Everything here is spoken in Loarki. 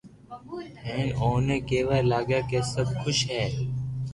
ھين اوني ڪيوا لاگيا ڪي سب خوݾ ھي